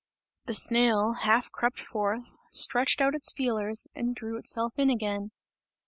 The snail half crept forth, stretched out its feelers and drew itself in again.